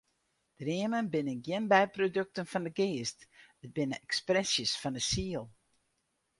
Dreamen binne gjin byprodukten fan de geast, it binne ekspresjes fan de siel.